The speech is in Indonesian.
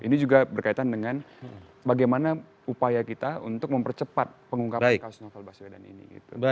ini juga berkaitan dengan bagaimana upaya kita untuk mempercepat pengungkapan kasus novel baswedan ini